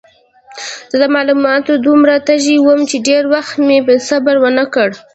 زه د معلوماتو دومره تږی وم چې ډېر وخت مې صبر ونه کړ.